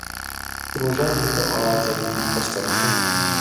روژه د دعا زرين فرصت دی.